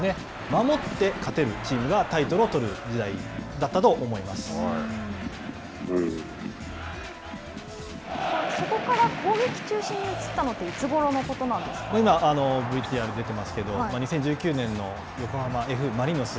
守って勝てるチームがタイトルを取るそこから攻撃中心に移ったのは今、ＶＴＲに出ていますけど２０１９年の横浜Ｆ・マリノス。